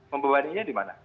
membebaninya di mana